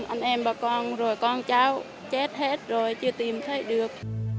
anh em bà con rồi con cháu chết hết rồi chưa tìm thấy được